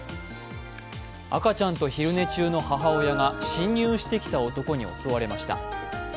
赤ちゃんと昼寝中の母親が侵入してきた男に襲われました。